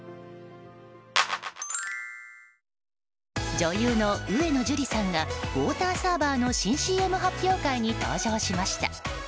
女優の上野樹里さんがウォーターサーバーの新ＣＭ発表会に登場しました。